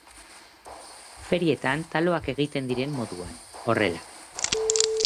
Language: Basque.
Ferietan taloak egiten diren moduan, horrela.